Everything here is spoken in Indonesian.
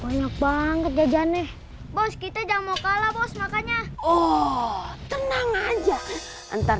banyak banget gajah ganeh bos kita jangan mengalah bos makanya oh tenang aja entar